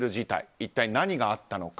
一体、何があったのか。